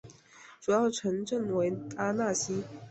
主要城镇为阿讷西。